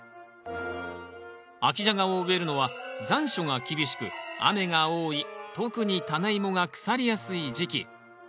秋ジャガを植えるのは残暑が厳しく雨が多い特にタネイモが腐りやすい時期。